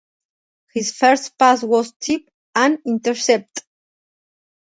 His first pass was tipped and intercepted.